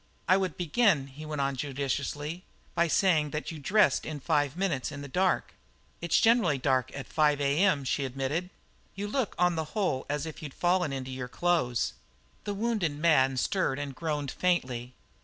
"I would begin," he went on judiciously, "by saying that you dressed in five minutes in the dark." "It's generally dark at 5 a.m.," she admitted. "You look, on the whole, as if you'd fallen into your clothes." The wounded man stirred and groaned faintly.